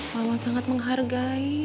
mama sangat menghargainya